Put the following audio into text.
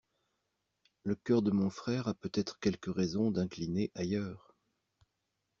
Le cœur de mon frère a peut-être quelques raisons d'incliner ailleurs.